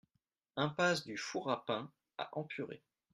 Impasse du Four A Pain à Empuré